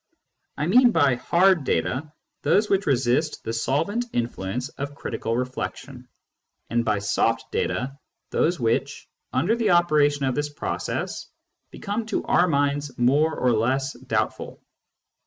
I mean by " hard " data those which resist the solvent influence of critical reflection, and by " soft " data those which, under the operation of this process, become to our minds more or less doubtful.